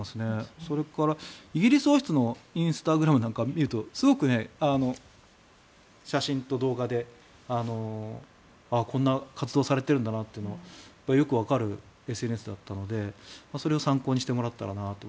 それから、イギリス王室のインスタグラムなんかを見るとすごく、写真と動画でこんな活動されてるんだなとよくわかるＳＮＳだったのでそれを参考にしてもらったらなと。